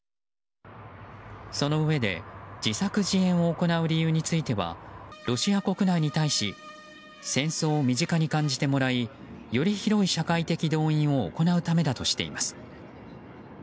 そのうえで自作自演を行う理由についてはロシア国内に対し戦争を身近に感じてもらいより広い社会的動員を行うためだとしています。